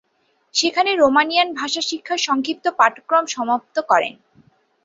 সেখানে রোমানিয়ান ভাষা শিক্ষার সংক্ষিপ্ত পাঠক্রম সমাপ্ত করেন।